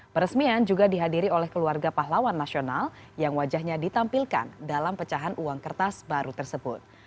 peresmian juga dihadiri oleh keluarga pahlawan nasional yang wajahnya ditampilkan dalam pecahan uang kertas baru tersebut